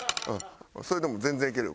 それでも全然いけるよ